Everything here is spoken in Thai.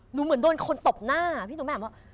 หนูเหมือนโดนคนตบหน้าพี่หนูแบบว่า